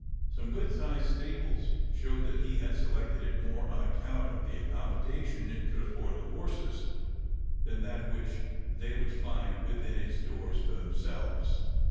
Some good sized stables showed that he had selected it more on account of the accommodation it could afford the horses than that which they would find within its doors for themselves.